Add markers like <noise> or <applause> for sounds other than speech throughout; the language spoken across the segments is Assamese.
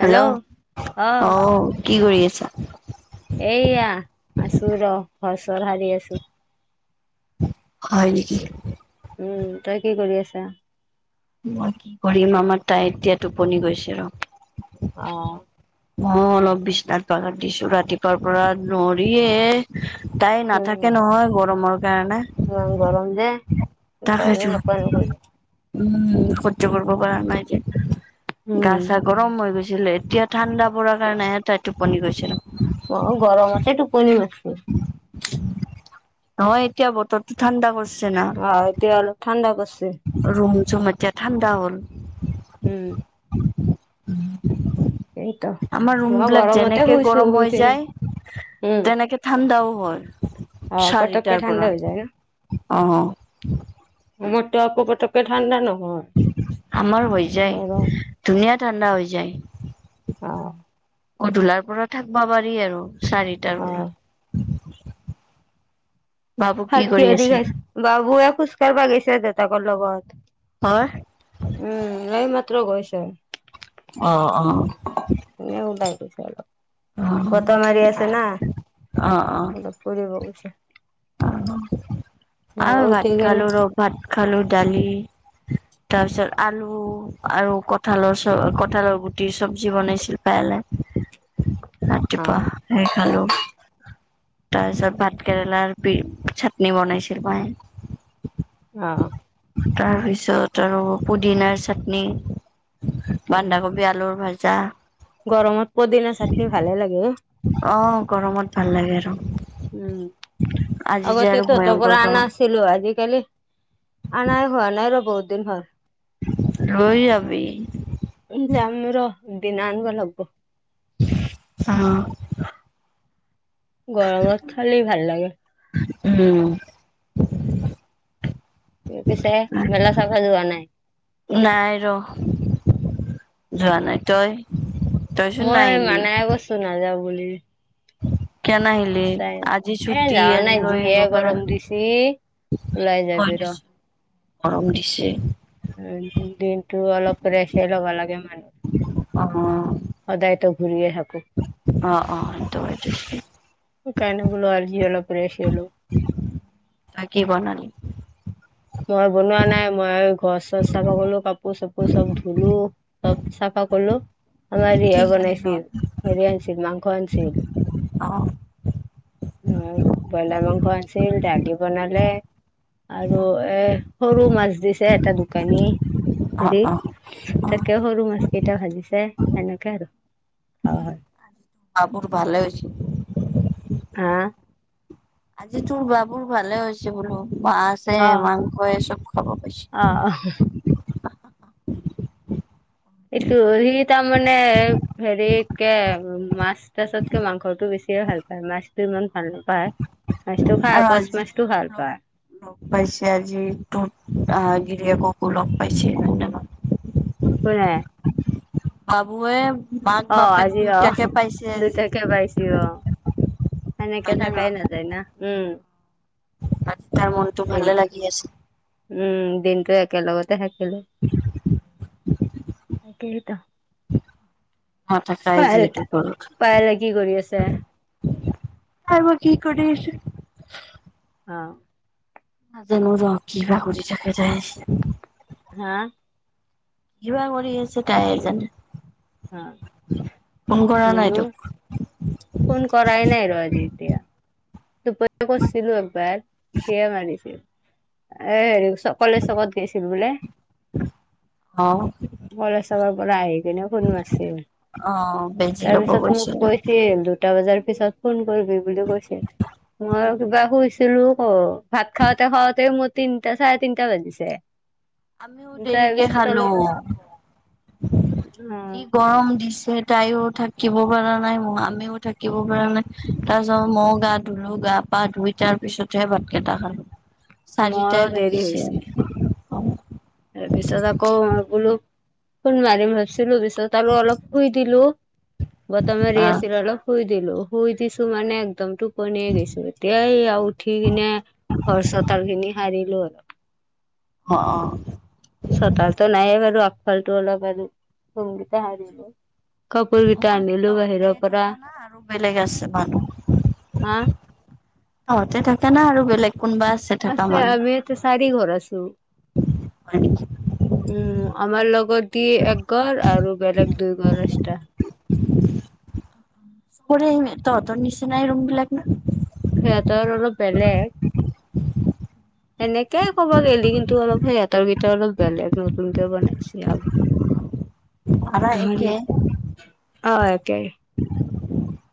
হেল্ল অ, কি কৰি আছা? এয়া আছো ৰহ, ঘৰ-চৰ সাৰি আছো। হয় নেকি? উম, তই কি কৰি আছা? মই কি কৰিম, আমাৰ তাই এতিয়া টোপনি গৈছে ৰ। অ, মইয়ো অলপ বিচনাত বাগৰ, দিছো ৰাতিপুৱাৰ পৰা নৰি এই। তাই উম নাথাকে নহয়, গৰমৰ কাৰণে। ইমান <unintelligible> তাকেতো <inaudible> উম, সহ্য কৰিব পৰা নাই যে, উম গা-চা গৰম হৈ গৈছিল, এতিয়া ঠাণ্ডা পৰাৰ কাৰণে এটাই টোপনি গৈছিলোঁ। অ, গৰম অতে টোপনি মছে নহয়, এতিয়া বতৰটো ঠাণ্ডা হৈছে। অ, এতিয়া অলপ ঠাণ্ডা পৰচি। ৰুম- চুম এতিয়া ঠাণ্ডা হ'ল। উম, <unintelligible> এইতো আমাৰ ৰুম মই বিলাক গৰমতে যেনেকে শুইছো গৰম শুই হৈ কিনে যায়, উম তেনেকে ঠাণ্ডাও হয়, অ পতককে চাৰিটাৰ ঠাণ্ডা পৰা। হৈ যায় ন অ, মোৰতো আকৌ পটকে, ঠাণ্ডা নহয়। আমাৰ হৈ গৰম যায়, ধুনীয়া ঠাণ্ডা হৈ যায়। অ গধুলাৰ পৰা থাকবা পাৰি আৰু, অ চাৰিটাৰ পৰাঋ বাবু কি ভাত কৰি কিহে দি‌ আছে খাইছে? বাবুয়ে, খুজকাঢ়িব গৈছে, দেউতা ক'ৰ লগত। হয়। উম এই মাত্ৰ গৈছে। অ অ। <unintelligible> অ বতাহ মাৰি আছে অ ন ফুৰিব গৈছে। মই আৰু ভাত উঠি কিনে খালু ৰ ভাত খালো দালি তাৰপিছত আলু আৰু কঠালৰ চব্জি কঠালৰ গুটিৰ চব্জি বনাইছিল পায়েলে অ ৰাতিপুৱা সেই খালো তাৰপিছত ভাত কেৰেলাৰ চাটনি বনাইছিল মায়ে অ' তাৰপিছত আৰু পুদিনাৰ চাটনি বন্ধাকবি আলুৰ ভাজা গৰমত পদিনা চাটনি ভালে লাগে। অ গৰমত ভাল লাগে আৰু। উম আজি যে আগতে আৰু তহঁতৰ ভয়ংকৰ পৰা আনা গৰম। -ছিলো আজিকালি আনাই হোৱা নাই আৰু বহুত দিন হ'ল। লৈ যাবি। উম যাম ৰ, দিনা আনব লাগব। অ'। গৰমত খালেই ভাল লাগে। উম। পিছে মেলা চাব যোৱা নাই? নাই ৰ, যোৱা নাই তই। তইচোন মই নাহিলি। মানে কৈছো নাযাওঁ বুলি। কিয়, নাহিল- ইচ্ছা নাই এ যাৱা নাই যিহে পাৰা গৰম দিছি ওলাই হয় যাবি ৰ। দেচোন। গৰম দিছে। দিনটো অলপ ৰেছে ল'ব লাগে মানুহ। অ', সদায়তো ঘূৰিয়ে থাকো। অ' অ' সেইটো হয়। সেইকাৰণে বোলো আজি অলপ ৰেছে ল'ও। তই কি বনালি? মই বনোৱা নাই মই ঘৰ চৰ চাফা কৰিলোঁ কাপোৰ চাপোৰ চব ধুলো। চব চাফা কৰলো আমাৰ কি ৰিয়া খালি ন বনাইছিল হেৰি আনিছিল মাংস আনিছিল অ'। উম, ব্ৰইলাৰ মাংস আনছিল, দালি বনালে আৰু এ, সৰু মাছ দিছে, এটা দোকানী অ', হেৰি অ', অ'। তাকে সৰু মাছ কেইটা ভাজিছে, সেনেকে আৰু খোৱা হয়। বাবুৰ ভালে হৈছি। হা? আজি তোৰ বাবুৰ ভালে হৈছে বোলো, মাছে, অ মাংসে চব খাব পাইছে। অ', অ',। এইটো সি তাৰমানানে হেৰিতকে মাছ তাছতকে মাংসটো বেছি ভাল পাই মাছতটো ইমান ভাল নাপায়, মাছতটো আৰু খাই, কচ আজি মাছতটো তোকো ভাল লগ পায়। লগ পাইছে আজি তটো আহ, গিৰিয়েককো লগ পাইছে, ধন্যবাদ। কোনে <unintelligible> বাবুৱে মাক, বাপেক দুইটাকে পাইছে আজি। গোটে পাইছ অ', সেনেকে হয় নে থাকাই নহয়? নাযায় না, উম। আজি তাৰ মনতো ভাল দিনটো লাগি আছে। উম, দিনটো একেলগতে থাকিলো। <unintelligible> নাথাকাই পাইল, যিহেতু ঘৰত। পাইলে কি কৰি আছে? তাই বা কি কৰি আছে। অ'। নাজানো ৰহ কিবা কৰি থাকে তাই। হা। কিবা কৰি আছে, তাইহে জানে অ ফোন কৰা নুনু নাই তোক। ফোন কৰাই নাই ৰ, আজি এতিয়া। দুপৰীয়া কৰিছিলোঁ একবাৰ, সিয়ে মাৰিছিল এ, হেৰি চব কলেজকত গৈছিল বোলে, অ কলেজ পৰা আহি কিনে ফোন মাছিল, অ বেজি ল'ব তাৰপিছত মোক গৈছিলো কৈছিল দু দুটা বজাৰ পিছত ফোন কৰবি বুলি কৈছিল। মই কিবা শুইছিলোঁ, ভাত খাওঁতে, খাওঁতে মোৰ তিনটা, চাৰে তিনটা বাজিছে। আমিও তাৰ দেৰিকে পিছত খালো অলপ অ যি গৰম দিছে। তাইও থাকিব পৰা নাই, আমিও থাকিব পৰা নাই, তাৰ পিছত মইও গা ধুলো, গা-পা, ধুই তাৰ পিছতহে ভাত কেইটা খালোঁ। মই দেৰি হৈছে। অ'। তাৰ পিছত আকৌ মই বোলো ফোন মাৰিম ভাবিছিলোঁ, পিছত আৰু অলপ শুই দিলো, বতাহ মাৰি আছিল অলপ শুই দিলো শুই দিছোঁ মানে একদম টোপনিয়ে গৈছিলো এতিয়া এইয়া উঠি কিনে ঘৰ চোতালখিনি সাৰিলো। অ', অ'। চোতালটো নায়েই বাৰু। আগফালটো অলপ আৰু, ৰুমকেইটা সাৰিলো। কাপোৰ কেইটা অকল আনিলো তহঁতে বাহিৰৰ পৰা থকা না আৰু বেলেগ আছে মানুহ? হা। তহঁতে থকা না আৰু বেলেগ কোনোবা আছে? থাকা আছে, মানুহ আমি এতে চাৰিঘৰ আছোঁ। হয় নেকি উম আমাৰ লগৰদি ই এক ঘৰ আৰু বেলেগ দুই ঘৰ আছিলা। ফুৰি আহিমে তহঁতৰ নিচিনাই ৰুমবিলাক না? সিহঁতৰ অলপ বেলেগ। সেনেকে ক'ব গেলি, কিন্তু অলপ সেয়াত ভিতৰত অলপ বেলেগ নতুনকে বনাইছে আৰু। ভাড়া একে <unintelligible> অ', একে। <inaudible>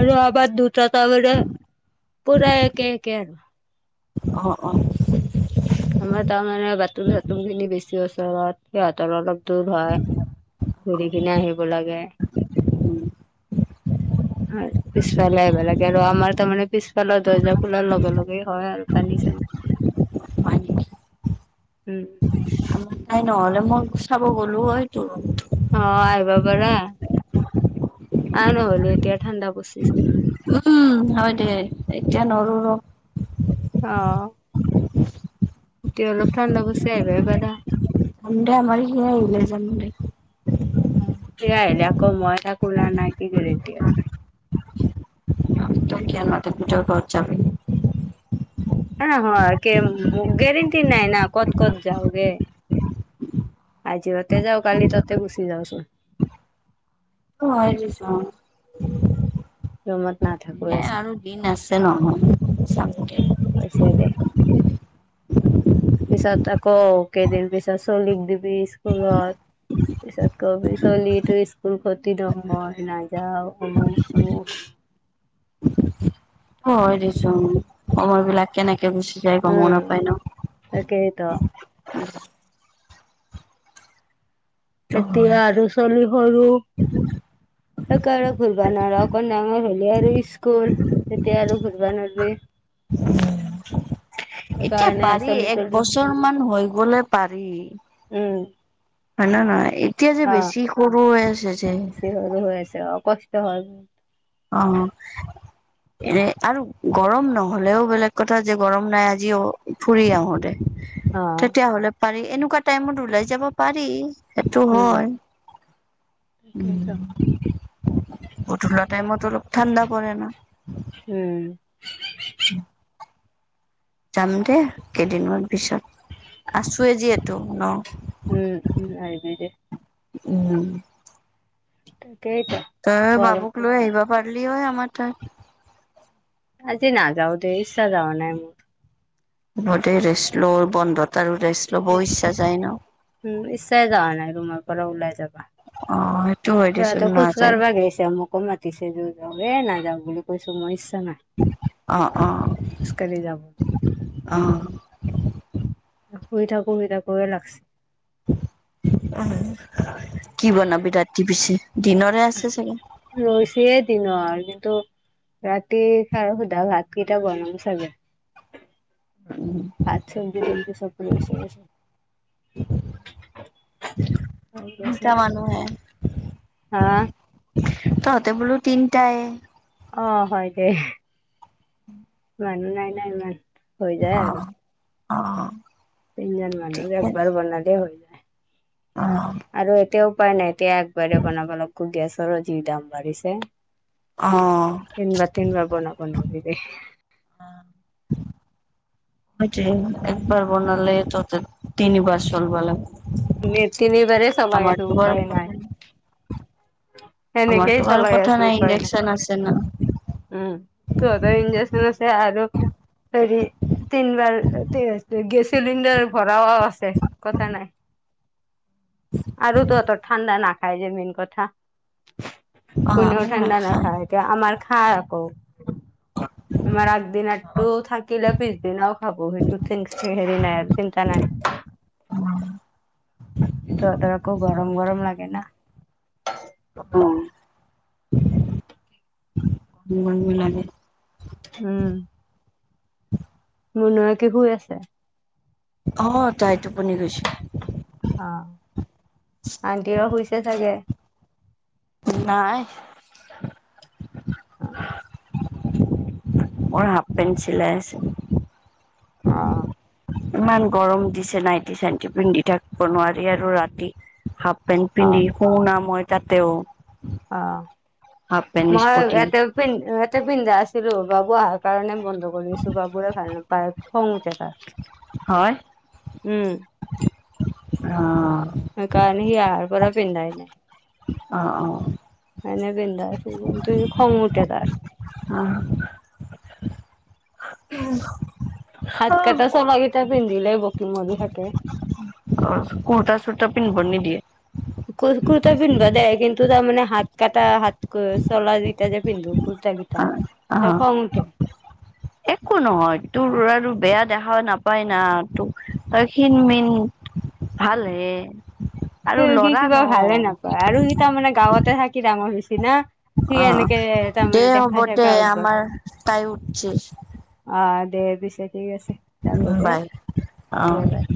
আৰু আমাৰ দুটা <unintelligible> পুৰা একে একে আৰু। অ', অ'। আমাৰ তাৰমানে বাথৰুম চাথৰুমখিনি বেছি ওচৰত সিহঁতৰ অলপ দুৰ হয় ঘুৰি কিনে আহিব লাগে। উম। হয়। পিছফালে আহিব লাগে আৰু। আমাৰ তাৰমানে পিছফালৰ দৰ্জা খোলাৰ লগে লগে হয় আৰু পানী-চানি। হয় নেকি উম। নাই নহ'লে মই চাব গ'লো হয় তো অ আহিবা পাৰা। আহ নহ'লে এতিয়া ঠাণ্ডা পৰিছেচোন। উম হয় দে। এতিয়া নৰো ৰ। অ' এতিয়া অলপ ঠাণ্ডা পৰছে আইভায় পাৰা। <unintelligible> যাম দে। তেতিয়া আহিলে আকৌ মই থাকো না নাই কি গেৰেণ্টি আছে। তই কিয় নাথাকিবি তই কবাত যাবি নি? <unintelligible> হয়। গেৰেণ্টি নাই না ক'ত ক'ত যাওগে। আজি অ'তে যাওঁ, কালি ততে গুচি যাওঁচোন। সেইটো হয় দেচোন। ৰুমত নাথাকোৱে এ চোন আৰু দিন আছে নহয়, যাবলে। হৈছে দে। পিছত আকৌ কেইদিন পিছত চলিক দিবি স্কুলত। পিছত ক'বি চলিটো স্কুল ক্ষতি নহয় নাযাওঁ অমুক-তমুক। হয় দেচোন। সময়বিলাক কেনেকে গুচি যায় গমো নাপায় ন। তাকেইটো। হয় এতিয়া আৰু চলি সৰু সেইকাৰণে ঘূৰিবা নোৱাৰা, অকণ ডাঙৰ হ'লে আৰু স্কুল তেতিয়া আৰু ঘুৰবা নৰবি। <inaudible> এতিয়া সেইকাৰণে পাৰি চলি তলি একবছৰমান হৈ গ'লে পাৰি। উম হয় নে নহয এতিয়া যে অ বেছি সৰু হৈ আছে যে। বেছি সৰু হৈ আছে অ কষ্ট হয়। অ' এনে আৰু গৰম নহ'লেও বেলেগ কথা যে গৰম নাই আজিও ফুৰি আহোতে অ তেতিয়া হ'লে পাৰি এনেকুৱা টাইমত ওলাই যাব পাৰি সেইটো উম হয় তাকেইতো উম গধুলাত বতৰো ঠাণ্ডা পৰে না। উম। <inaudible> যাম দে কেইদিনমান পিছত আছোৱেই যিহেতু ন উম উম আহিবি দে। উম। <unintelligible> তইয়ে বাবুক গৰমটো লৈ আহিব পাৰলি হয় আমাৰ তাত আজি নাযাওঁ দে ইচ্ছা যাৱা নাই মোৰ হ'ব দে, ৰেষ্ট ল'। বন্ধত আৰু ৰেষ্ট ল'বও মোৰ ইচ্ছা যায় ন। উম ইচ্চাই যাৱা নাই ৰুমৰপৰা ওলাই যাবা। অ হয় দেচোন সিহঁতে নাযায় খোজকাঢ়বা গিছে মোকো মাতিছে যোৰ যাও নাযাওঁ বুলি কৈছো মই ইচ্ছা নাই। অ অ ইছ কালি যাব অ শুই থাকো শুই থাকোৱে লাগিছে। কি বনাবি ৰাতি পিছে দিনৰে আছে চাগে ৰৈছেই দিন আৰু কিন্তু ৰাতি খাৰ সোধা ভাতকেইটা বনাম চাগে উম উ ভাত চ তেমকি সবৰে বিষয় <unintelligible> তিনিটা মানুহে হা তহতে বোলো তিনটাই অ হয় দে উম নাই নাই ম অ অ তিনিজন মানুহ ঠিকে একবাৰ বনালে হৈ যায়। অঁ আৰু এতিয়া উপায় নাই এতিয়া একবাৰে বনাব লাগো গেছৰো যি দাম বাঢ়িছে। অ তিন বাৰ তিন বাৰ বনাব নোৱাৰি দেই। অ হয়দে একবাৰ বনালে তহঁতৰ তিনি বাৰ চলিব লাগে। মেচ কিনিবাৰে চাবা আৰু বাৰু উপায় কথা নাই এনে কেই আমাৰতো বাৰু চলাই কথা আছোঁ উপায় নাই। ইণ্ডাকচন আছে না। উম তত ইঞ্জেকচন আছে আৰু আৰু হেৰি তিনবাৰ গেছ চিলিণ্ডাৰ ভৰাও আছে কথা নাই। আৰু তহঁতৰ ঠাণ্ডা নাখাই যে মেন কথা। অ' কোনেও আমাৰ ঠাণ্ডা নাখায় এতিয়া আমাৰ খাই আকৌ আমাৰ আগদিনটো থাকিলে পিছদিনাও খাব সেইটো হেৰি নাই আৰু চিন্তা নাই উম তহঁতৰ আকৌ গৰম ঘৰতে। গৰম লাগে ন অ উ লাগে উম মোৰ লৰাকে শুই আছে। অ তাই টোপনি গৈছে। অ আন্তিৱ শুইছে চাগে। নাই হয় <inaudible> মোৰ হাফ পেণ্ট চিলাই আছে। ইমান গৰম দিছে নাইটি চাইটি পিন্ধি থাকিব নোৱাৰি আৰু ৰাতি হাপ পেন্ট অ', পিন্ধি শুনা মই তাতেও অ হাফ পেণ্ট মই স্পটিং এতে পন্ধ ইয়াতে পিন্ধা আছিলো বাবু অহাৰ কাৰণে বন্ধ কৰি দিছো বাবুয়ে ভাল নাপায়। খং উঠে তাৰ। হয় উম অ সেইকাৰণে সি আহাৰ পৰা পিন্ধাই নাই? অঁ অঁহ এনে বিন্ধা আছে কিন্তু সি খং উঠে তাৰ। <inaudible> উম হাত কটা চাগটা পিন্ধিলে বকি মদি থাকে। কুৰ্তা চুৰ্তা পিন্ধিব নিদিয়ে? কুৰ্তা পিন্ধিবা দে কিন্তু তাৰমানে হাত কটা হাত চোলাকাটা যে পিন্ধো কুৰ্তা কেইটা অ তাৰ খং উঠে। একো নহয় তোৰ আৰু বেয়া দেখা নাপায় না তই ক্ষীণ মিন। ভাল হে। স কি কিবা ভালে নাপায় আৰু হিকিতা তাৰমানে গাঁৱতে থাকি ডাঙৰ হৈ হৈছে না। সি অ এনেকে দে তাৰমানে হ'ব দেখাই দে থকা অভ্যাস। আমাৰ তাই উঠছি আহ দে পিছে ঠিক আছে ৰাখো উম দে হা বাই অ দে বাই।